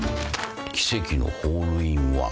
「奇跡のホールインワン」